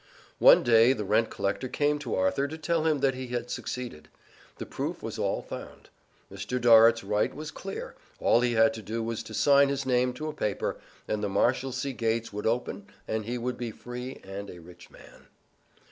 One day the rent collector came to Arthur to tell him that he had succeeded. The proof was all found. Mr. Dorrit's right was clear; all he had to do was to sign his name to a paper, and the Marshalsea gates would open and he would be free and a rich man.